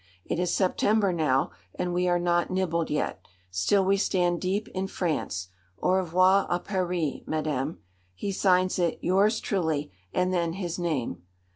It is September now, and we are not nibbled yet. Still we stand deep in France. Au revoir à Paris, Madame." He signs it "Yours truly," and then his name.